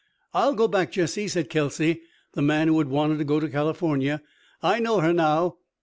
"I'll go back, Jesse," said Kelsey, the man who had wanted to go to California. "I know her now."